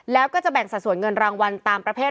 แล้วก็จะแบ่งสัดส่วนเงินรางวัลตามประเภท